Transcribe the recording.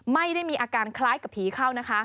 ไม่ได้มีอาการคล้ายกับผีเข้านะคะ